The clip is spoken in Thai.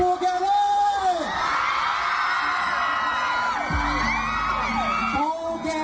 ภูเก็ตเลย